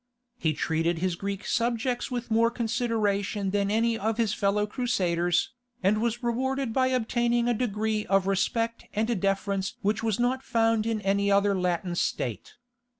He treated his Greek subjects with more consideration than any of his fellow Crusaders, and was rewarded by obtaining a degree of respect and deference which was not found in any other Latin state.